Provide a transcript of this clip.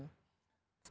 kalau biden yang paling